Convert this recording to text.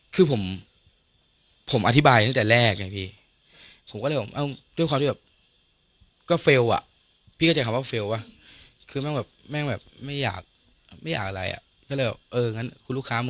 คือพี่เคยทำโทรศัพท์แตกในหน้าที่แล้วแบบพี่ไม่มีตังค์ซื้อแต่ต้องเวิร์กระบวนบริษัท